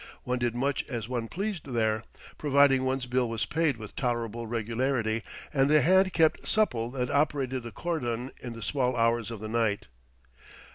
One did much as one pleased there, providing one's bill was paid with tolerable regularity and the hand kept supple that operated the cordon in the small hours of the night.